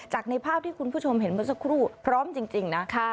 ในภาพที่คุณผู้ชมเห็นเมื่อสักครู่พร้อมจริงนะ